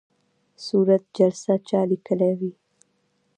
صورت جلسه چا لیکلې وي؟